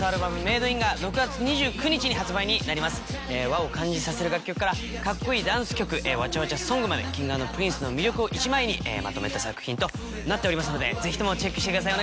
和を感じさせる楽曲からカッコいいダンス曲わちゃわちゃソングまでＫｉｎｇ＆Ｐｒｉｎｃｅの魅力を１枚にまとめた作品となっておりますのでぜひともチェックしてください